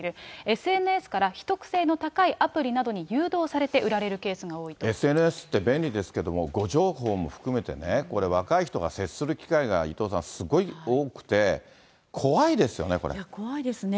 ＳＮＳから秘匿性の高いアプリなどに誘導されて売られるケースがＳＮＳって便利ですけども、誤情報も含めてね、これ、若い人が接する機会が伊藤さん、すごい怖いですね。